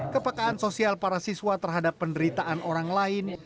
kepekaan sosial para siswa terhadap penderitaan orang lain